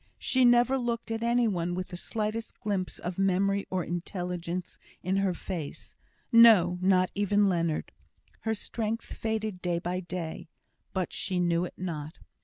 She never looked at any one with the slightest glimpse of memory or intelligence in her face; no, not even at Leonard. Her strength faded day by day; but she knew it not.